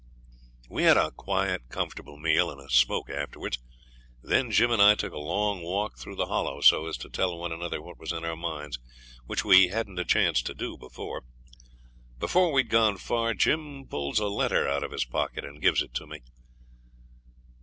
We had a quiet, comfortable meal, and a smoke afterwards. Then Jim and I took a long walk through the Hollow, so as to tell one another what was in our minds, which we hadn't a chance to do before. Before we'd gone far Jim pulls a letter out of his pocket and gives it to me.